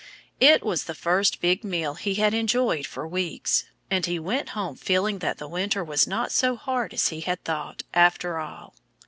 It was the first big meal he had enjoyed for weeks. And he went home feeling that the winter was not so hard as he had thought, after all.